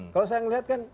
kalau saya melihat kan